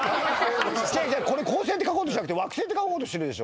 「恒星」って書こうとしてなくて「惑星」って書こうとしてるでしょ。